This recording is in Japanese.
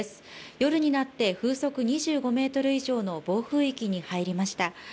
夜になって風速２５メートル以上の暴風域に入りました。